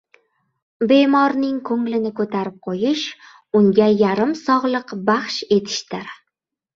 • Bemoriing ko‘nglini ko‘tarib qo‘yish — unga yarim sog‘liq baxsh etishdir.